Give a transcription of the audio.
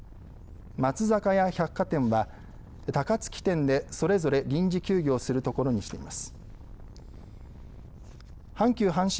松坂屋百貨店は高槻店でそれぞれ臨時休業するところにしています。